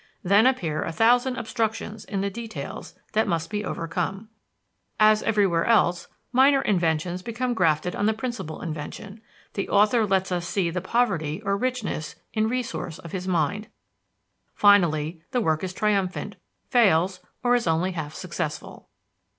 Then appear a thousand obstructions in the details that must be overcome. As everywhere else, minor inventions become grafted on the principal invention; the author lets us see the poverty or richness in resource of his mind. Finally, the work is triumphant, fails, or is only half successful.